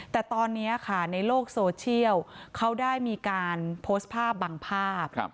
แต่ตอนนี้ค่ะในโลกโซเชียลเขาได้มีการโพสต์ภาพบางภาพ